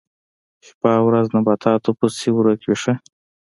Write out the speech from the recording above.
شپه او ورځ نباتاتو پسې ورک وي ښه.